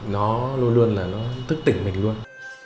nó luôn luôn tức tỉnh mình luôn